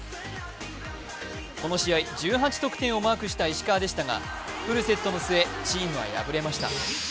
この試合１８得点をマークした石川でしたがフルセットの末、チームは敗れました。